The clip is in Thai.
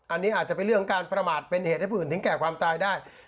อันนี้อาจจะเป็นเรื่องการประมาทเป็นเหตุให้ผู้อื่นถึงแก่ความตายได้